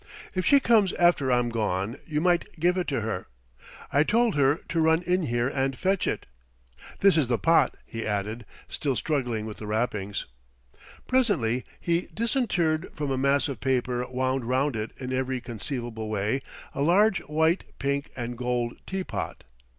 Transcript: "If she comes after I'm gone, you might give it to her. I told her to run in here and fetch it. This is the pot," he added, still struggling with the wrappings. Presently he disinterred from a mass of paper wound round it in every conceivable way, a large white, pink and gold teapot.